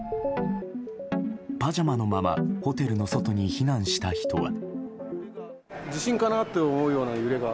パジャマのままホテルの外に避難した人は。